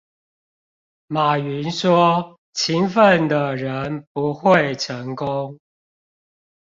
馬雲說勤奮的人不會成功